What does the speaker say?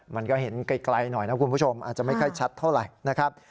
มันก็เห็นไกลหน่อยนะคุณผู้ชมอาจจะไม่ค่อยชัดเท่าไหร่นะครับ